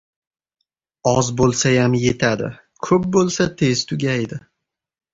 • Oz bo‘lsayam yetadi, ko‘p bo‘lsa tez tugaydi.